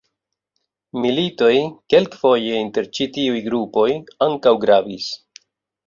Militoj, kelkfoje inter ĉi tiuj grupoj, ankaŭ gravis.